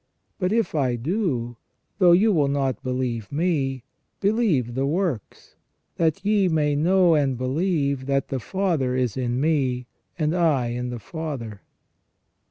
But if I do, though you will not believe Me, believe the works : that ye may know and believe that the 328 THE RESTORATION OF MAN. Father is in Me, and I in the Father."